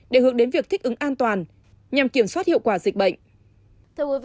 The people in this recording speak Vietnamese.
để hướng đến việc thích ứng an toàn nhằm kiểm soát hiệu quả dịch bệnh